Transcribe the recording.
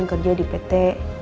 gak pernah mau tuh